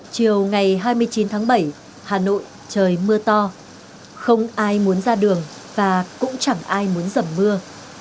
chiều ngày hai mươi chín tháng bảy hà nội trời mưa to không ai muốn ra đường và cũng chẳng ai muốn dầm mưa